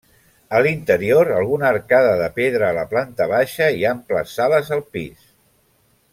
A l'interior alguna arcada de pedra a la planta baixa i amples sales al pis.